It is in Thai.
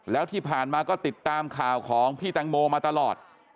แล้วที่ผ่านมาก็ติดตามข่าวของพี่แตงโมมาตลอด